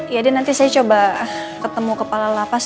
ya ini nanti saya coba ketemu kepala lapas